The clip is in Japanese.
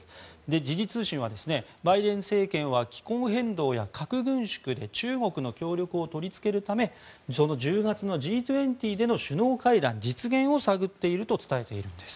時事通信はバイデン政権は気候変動や核軍縮で中国の協力を取り付けるため１０月のＧ２０での首脳会談実現を探っていると伝えているんです。